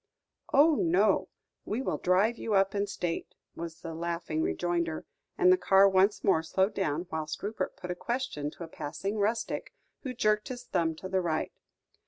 "Oh, no, we will drive you up in state," was the laughing rejoinder; and the car once more slowed down, whilst Rupert put a question to a passing rustic, who jerked his thumb to the right.